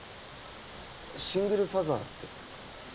シングルファザーですか？